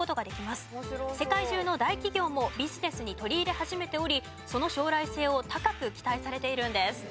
世界中の大企業もビジネスに取り入れ始めておりその将来性を高く期待されているんです。